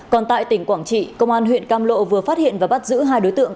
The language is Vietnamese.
còn tại tỉnh quảng trị công an huyện cam lộ vừa phát hiện và bắt giữ hai đối tượng